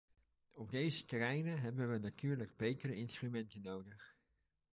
Op deze terreinen hebben we natuurlijk betere instrumenten nodig.